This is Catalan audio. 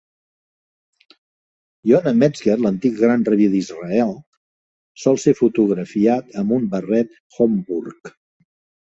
Yona Metzger, l'antic gran rabí d'Israel, sol ser fotografiat amb un barret Homburg.